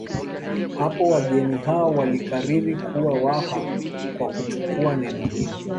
Hapo wageni hao walikariri kuwa Waha kwa kuchukua neno hilo